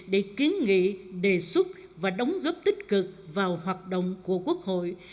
để kiến nghị đề xuất và đóng góp tích cực vào hoạt động của quốc hội